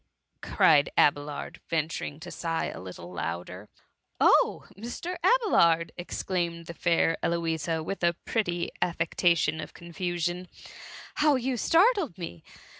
cried Abelard, venturing to sigh a little louder. *^ Oh, Mr. Abelard r exclaimed the fair Eloisa, with a pretty affectation of oonfusion, ^^ how you startled me